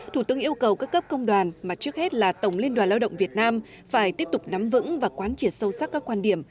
thủ tướng yêu cầu các cấp công đoàn mà trước hết là tổng liên đoàn lao động việt nam phải tiếp tục nắm vững và quán triệt sâu sắc các quan điểm